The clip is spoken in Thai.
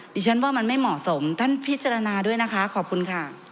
ดิฉันว่ามันไม่เหมาะสมท่านพิจารณาด้วยนะคะขอบคุณค่ะ